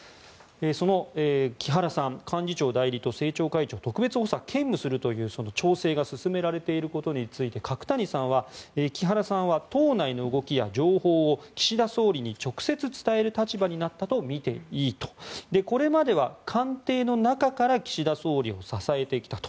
その木原さん幹事長代理と政調会長特別補佐を兼務するという調整が進められていることについて角谷さんは木原さんは党内の動きや情報を岸田総理に直接伝える立場になったと見ていいとこれまでは官邸の中から岸田総理を支えてきたと。